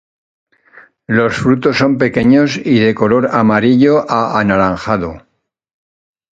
Los frutos son pequeños y de color amarillo a anaranjado.